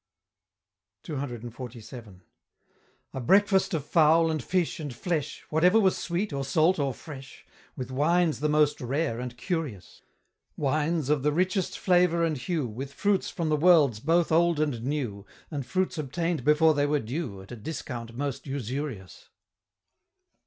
CCXLVII. A breakfast of fowl, and fish, and flesh, Whatever was sweet, or salt, or fresh; With wines the most rare and curious Wines, of the richest flavor and hue; With fruits from the worlds both Old and New; And fruits obtain'd before they were due At a discount most usurious.